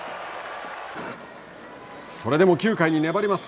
それでも９回に粘ります。